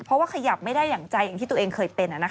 เพราะว่าขยับไม่ได้อย่างใจอย่างที่ตัวเองเคยเป็น